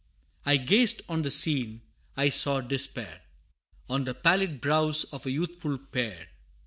I gazed on the scene I saw despair On the pallid brows of a youthful pair.